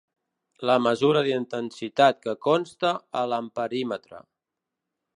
La mesura d'intensitat que consta a l'amperímetre.